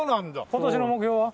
今年の目標は？